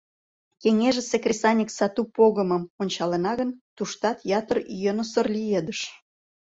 Кеҥежысе кресаньык сату погымым ончалына гын, туштат ятыр йӧнысыр лиедыш.